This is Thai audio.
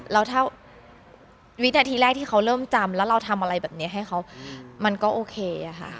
แล้วถ้าวินาทีแรกที่เขาเริ่มจำแล้วเราทำอะไรแบบนี้ให้เขามันก็โอเคค่ะ